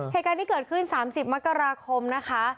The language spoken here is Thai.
เหตุการณ์ที่เกิดขึ้น๓๐มกราคมนะคะ